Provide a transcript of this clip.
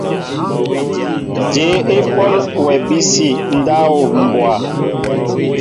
Jyéé e pɔl wɛ abisi ndáw mbwa ?